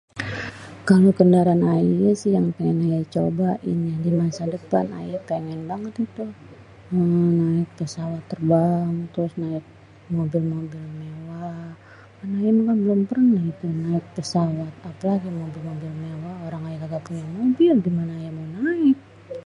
Kalo kendaraan ayé sih yang pengen ayé cobain ya di masa depan ayé pengen banget ntu naek pesawat terbang, terus naek mobil-mobil mewah. Kan ayé belum pernah itu naik pesawat apalagi mobil-mobil mewah. Orang ayé kagak punya mobil gimané ayé mau naek.